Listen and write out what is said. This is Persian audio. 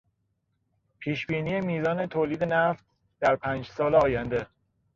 پیشبینی میزان تولید نفت در پنج سال آینده